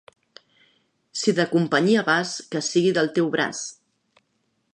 Si de companyia vas, que sigui del teu braç.